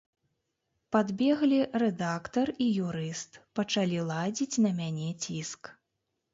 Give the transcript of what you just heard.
Падбеглі рэдактар і юрыст, пачалі ладзіць на мяне ціск.